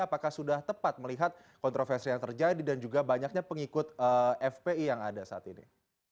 apakah sudah tepat melihat kontroversi yang terjadi dan juga banyaknya pengikut fpi yang ada saat ini